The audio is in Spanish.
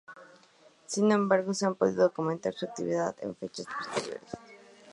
Sin embargo, se ha podido documentar su actividad en fechas posteriores.